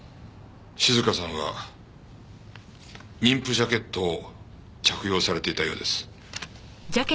静香さんは妊婦ジャケットを着用されていたようです。